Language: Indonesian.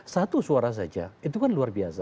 satu suara saja itu kan luar biasa